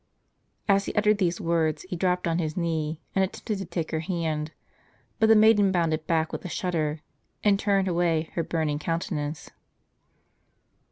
As he uttered these words, he dropt on his knee, and attempted to take her hand ; but the maiden bounded back with a shudder, and turned away her burning countenance.